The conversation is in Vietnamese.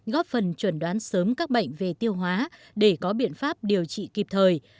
góp phần chuẩn đoán sớm các bệnh về tiêu hóa để có biện pháp điều trị kịp thời